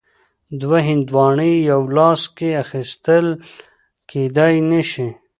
دوه هندواڼې یو لاس کې اخیستل کیدای نه شي.